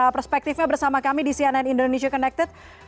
perspektifnya bersama kami di cnn indonesia connected